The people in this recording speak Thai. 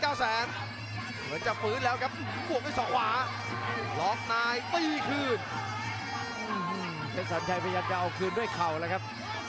อาร์ฟแล้วครับนี่แหละครับต้องยั่วกันครับ